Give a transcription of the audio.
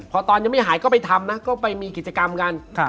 พอตอนยังไม่หายก็ไปทำนะก็ไปมีกิจกรรมกัน